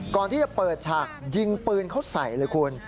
ก่อนที่จะเปิดฉากยิงปืนเขาใส่เลยคุณ